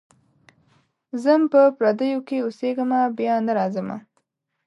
ځم په پردیو کي اوسېږمه بیا نه راځمه.